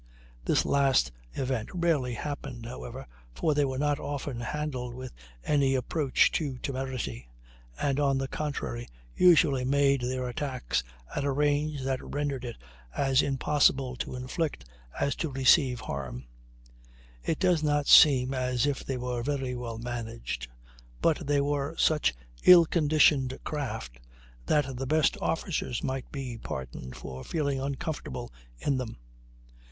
This last event rarely happened, however, for they were not often handled with any approach to temerity, and, on the contrary, usually made their attacks at a range that rendered it as impossible to inflict as to receive harm. It does not seem as if they were very well managed; but they were such ill conditioned craft that the best officers might be pardoned for feeling uncomfortable in them.